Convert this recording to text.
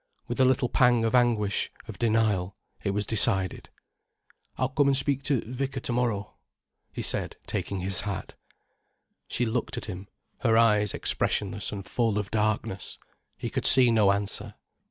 With a little pang of anguish, of denial, it was decided. "I'll come an' speak to the vicar to morrow," he said, taking his hat. She looked at him, her eyes expressionless and full of darkness. He could see no answer.